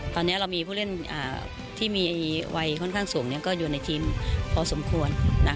ตอนนี้เรามีผู้เล่นที่มีวัยค่อนข้างสูงก็อยู่ในทีมพอสมควร